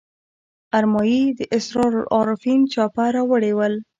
ارمایي د اسرار العارفین چاپه راوړي ول.